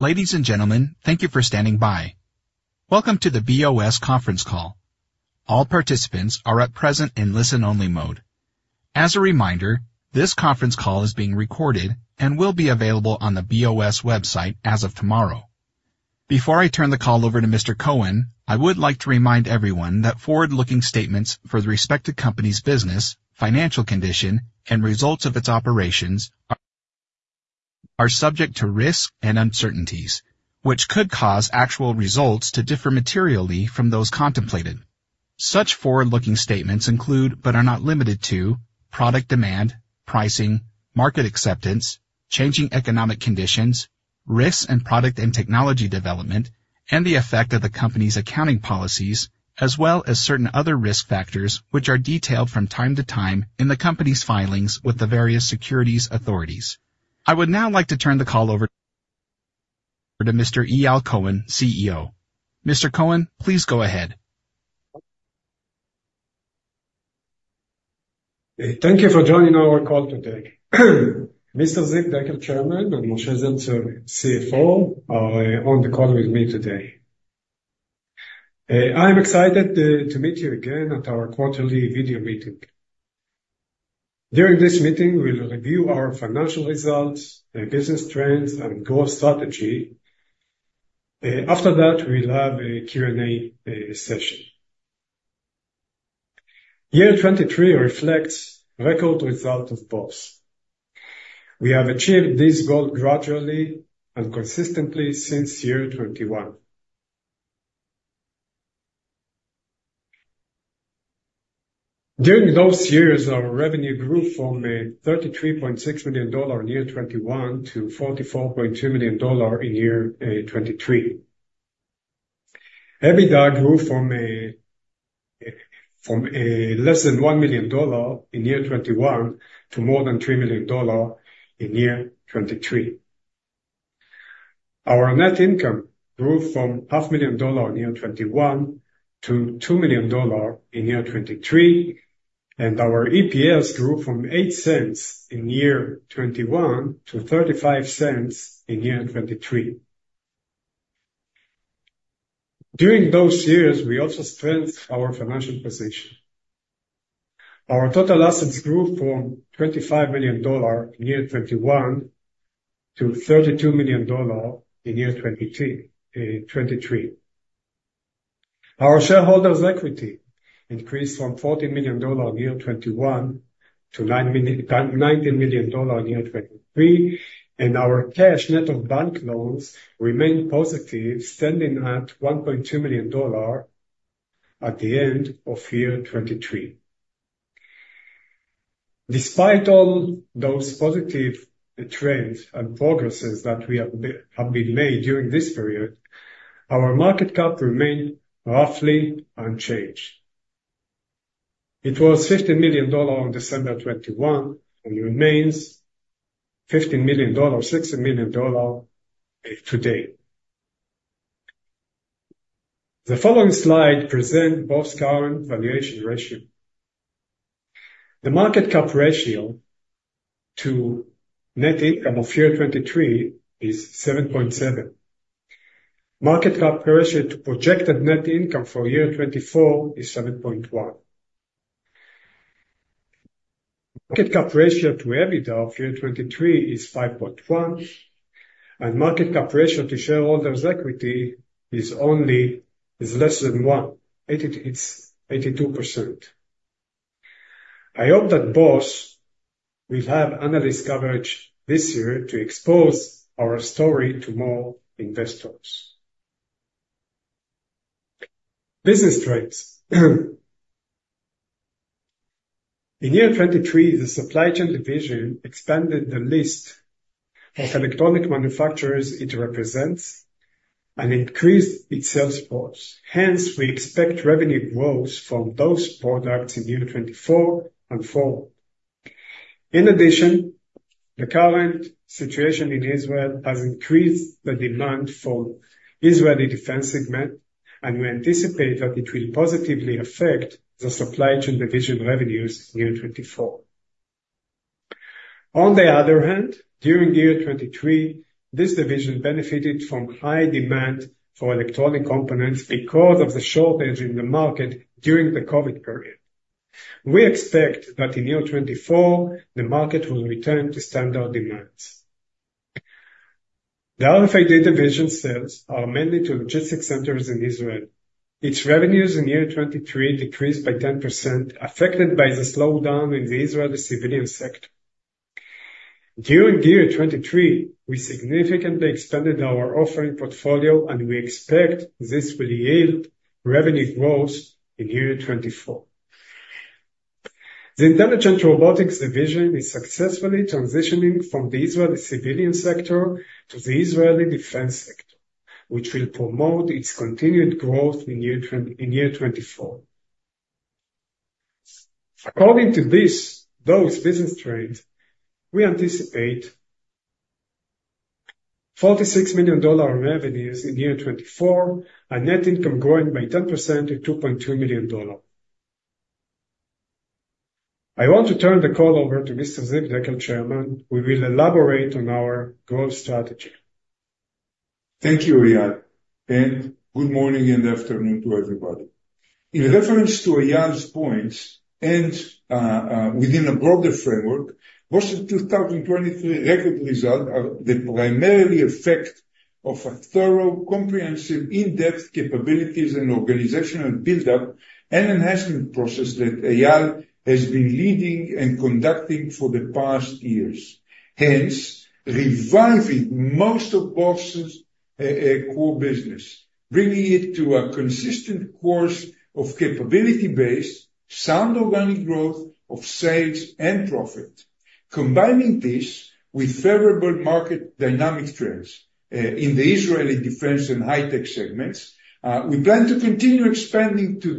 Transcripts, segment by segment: Ladies and gentlemen, thank you for standing by. Welcome to the BOS conference call. All participants are at present in listen-only mode. As a reminder, this conference call is being recorded and will be available on the BOS website as of tomorrow. Before I turn the call over to Mr. Cohen, I would like to remind everyone that forward-looking statements for the respective company's business, financial condition, and results of its operations are, are subject to risks and uncertainties, which could cause actual results to differ materially from those contemplated. Such forward-looking statements include, but are not limited to product demand, pricing, market acceptance, changing economic conditions, risks and product and technology development, and the effect of the company's accounting policies, as well as certain other risk factors, which are detailed from time to time in the company's filings with the various securities authorities. I would now like to turn the call over to Mr. Eyal Cohen, CEO. Mr. Cohen, please go ahead. Thank you for joining our call today. Mr. Ziv Dekel, Chairman, and Moshe Zelcer, CFO, are on the call with me today. I'm excited to meet you again at our quarterly video meeting. During this meeting, we'll review our financial results, the business trends, and growth strategy. After that, we'll have a Q&A session. Year 2023 reflects record result of BOS. We have achieved this goal gradually and consistently since year 2021. During those years, our revenue grew from $33.6 million in year 2021 to $44.2 million in year 2023. EBITDA grew from less than $1 million in year 2021 to more than $3 million in year 2023. Our net income grew from $500,000 in 2021 to $2 million in 2023, and our EPS grew from $0.08 in 2021 to $0.35 in 2023. During those years, we also strengthened our financial position. Our total assets grew from $25 million in 2021 to $32 million in 2023. Our shareholders' equity increased from $14 million in 2021 to $9 million in 2023, and our cash net of bank loans remained positive, standing at $1.2 million at the end of 2023. Despite all those positive trends and progress that we have been made during this period, our market cap remained roughly unchanged. It was $15 million on December 2021 and remains $15 million, $16 million today. The following slide present BOS current valuation ratio. The market cap ratio to net income of year 2023 is 7.7. Market cap ratio to projected net income for year 2024 is 7.1. Market cap ratio to EBITDA of year 2023 is 5.1, and market cap ratio to shareholders' equity is less than one. It's 82%. I hope that BOS will have analyst coverage this year to expose our story to more investors. Business trends. In year 2023, the Supply Chain Division expanded the list of electronic manufacturers it represents and increased its sales force. Hence, we expect revenue growth from those products in year 2024 and forward. In addition, the current situation in Israel has increased the demand for Israeli defense segment, and we anticipate that it will positively affect the Supply Chain Division revenues in year 2024. On the other hand, during year 2023, this division benefited from high demand for electronic components because of the shortage in the market during the COVID period. We expect that in year 2024, the market will return to standard demands. The RFID Division sales are mainly to logistic centers in Israel. Its revenues in year 2023 decreased by 10%, affected by the slowdown in the Israeli civilian sector. During year 2023, we significantly expanded our offering portfolio, and we expect this will yield revenue growth in year 2024. The Intelligent Robotics Division is successfully transitioning from the Israeli civilian sector to the Israeli defense sector, which will promote its continued growth in year 2024. According to this, those business trends, we anticipate $46 million in revenues in year 2024, and net income growing by 10% to $2.2 million. I want to turn the call over to Mr. Ziv Dekel, Chairman, who will elaborate on our growth strategy. Thank you, Eyal, and good morning and afternoon to everybody. In reference to Eyal's points and within a broader framework, BOS's 2023 record result are the primarily effect of a thorough, comprehensive, in-depth capabilities and organizational build-up and enhancement process that Eyal has been leading and conducting for the past years. Hence, reviving most of BOS's core business, bringing it to a consistent course of capability base, sound organic growth of sales and profit. Combining this with favorable market dynamic trends in the Israeli defense and high tech segments, we plan to continue expanding the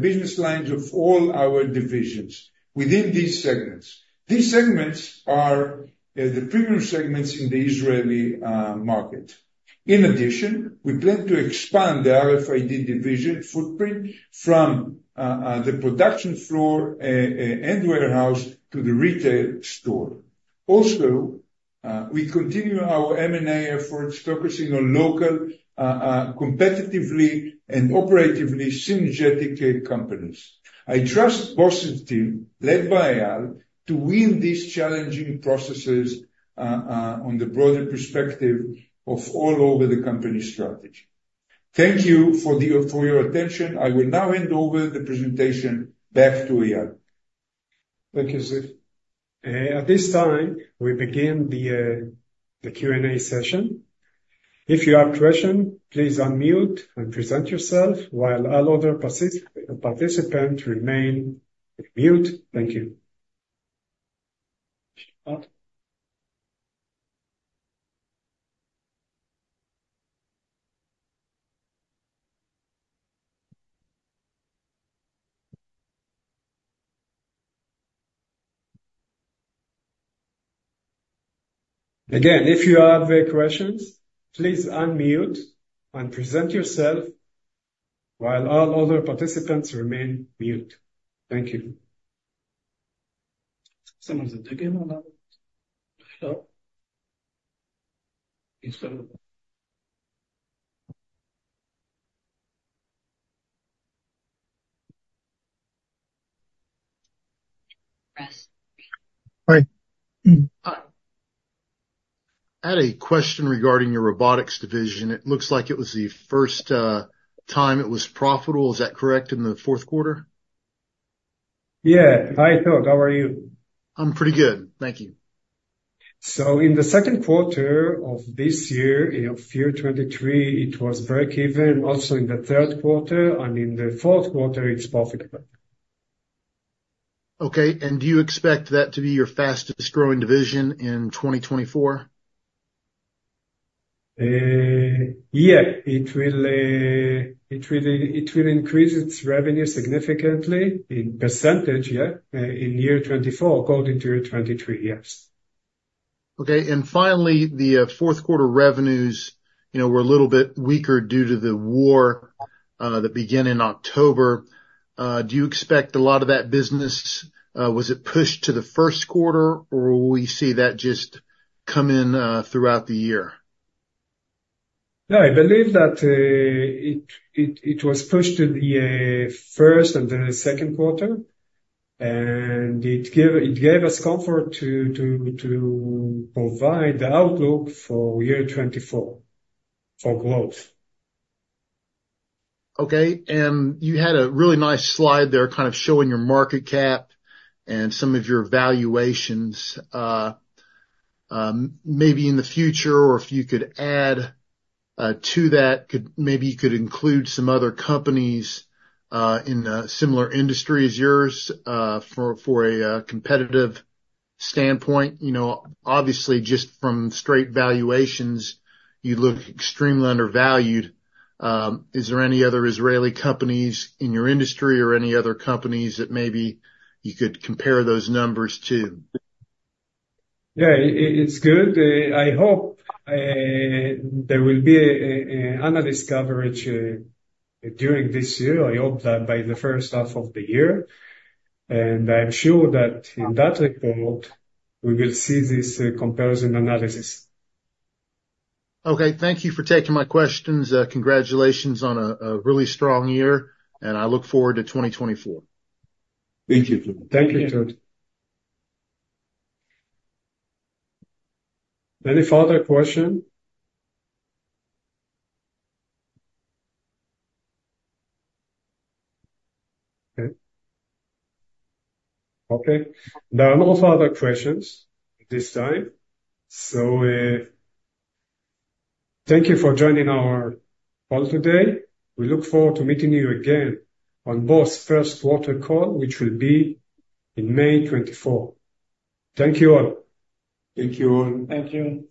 business lines of all our divisions within these segments. These segments are the premium segments in the Israeli market. In addition, we plan to expand the RFID Division footprint from the production floor and warehouse to the retail store. Also, we continue our M&A efforts, focusing on local, competitively and operatively synergetic companies. I trust BOS's team, led by Eyal, to win these challenging processes on the broader perspective of all over the company's strategy. Thank you for your attention. I will now hand over the presentation back to Eyal. Thank you, Ziv. At this time, we begin the Q&A session. If you have question, please unmute and present yourself, while all other participants remain mute. Thank you. Again, if you have any questions, please unmute and present yourself, while all other participants remain mute. Thank you. Hi. I had a question regarding your Robotics Division. It looks like it was the first time it was profitable. Is that correct, in the fourth quarter? Yeah. Hi, Todd. How are you? I'm pretty good. Thank you. In the second quarter of this year, in year 2023, it was breakeven, also in the third quarter, and in the fourth quarter, it's profitable. Okay, and do you expect that to be your fastest growing division in 2024? Yeah, it will increase its revenue significantly in percentage, yeah, in year 2024, according to year 2023, yes. Okay, and finally, the fourth quarter revenues, you know, were a little bit weaker due to the war that began in October. Do you expect a lot of that business, was it pushed to the first quarter, or will we see that just come in throughout the year? No, I believe that it was pushed to the first and the second quarter, and it gave us comfort to provide the outlook for year 2024, for growth. Okay, and you had a really nice slide there, kind of, showing your market cap and some of your valuations. Maybe in the future, or if you could add to that, could maybe you could include some other companies in similar industry as yours for a competitive standpoint. You know, obviously, just from straight valuations, you look extremely undervalued. Is there any other Israeli companies in your industry or any other companies that maybe you could compare those numbers to? Yeah, it's good. I hope there will be analyst coverage during this year. I hope that by the first half of the year, and I'm sure that in that report, we will see this comparison analysis. Okay. Thank you for taking my questions. Congratulations on a really strong year, and I look forward to 2024. Thank you. Thank you, Todd. Any further question? Okay. Okay. There are no further questions at this time, so, thank you for joining our call today. We look forward to meeting you again on BOS's first quarter call, which will be in May 2024. Thank you, all. Thank you, all. Thank you.